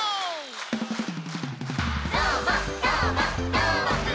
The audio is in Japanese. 「どーもどーもどーもくん！」